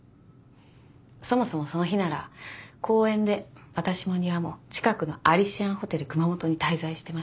そもそもその日なら講演で私も丹羽も近くのアリシアンホテル熊本に滞在してました。